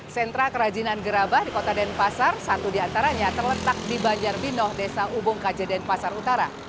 sentra kerajinan gerabah di kota denpasar satu di antaranya terletak di banjarbinoh desa ubung kaja denpasar utara